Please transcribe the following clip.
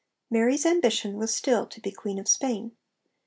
Mary's ambition was still to be Queen of Spain.